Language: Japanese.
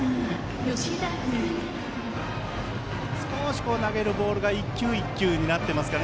少し投げるボールが１球１球になっていますね。